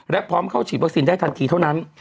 และพร้อมเข้าฉีดวัคซีนได้ทันทีเท่านั้น